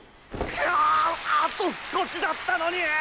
くっあと少しだったのに。